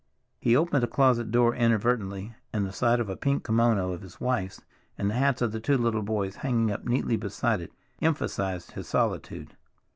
He opened a closet door inadvertently, and the sight of a pink kimono of his wife's, and the hats of the two little boys hanging up neatly beside it, emphasized his solitude.